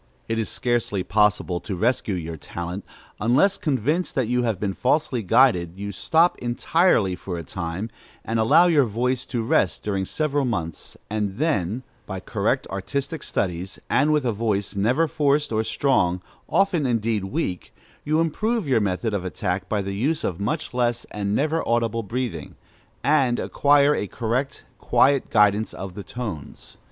It is scarcely possible to rescue your talent, unless, convinced that you have been falsely guided, you stop entirely for a time, and allow your voice to rest during several months, and then, by correct artistic studies, and with a voice never forced or strong, often indeed weak, you improve your method of attack by the use of much less and never audible breathing, and acquire a correct, quiet guidance of the tones.